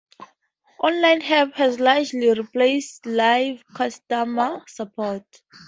Online help has largely replaced live customer support.